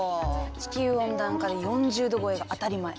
地球温暖化で４０℃超えが当たり前。